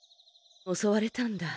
おそわれたんだ。